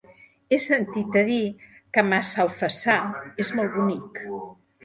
He sentit a dir que Massalfassar és molt bonic.